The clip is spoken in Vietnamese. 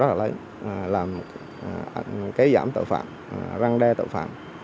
làm kế giảm tội phạm răng đe tội phạm